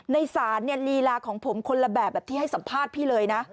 ในสารลีลาการของผมคนละแบบที่ให้สัมภาษณ์พี่เลยนะ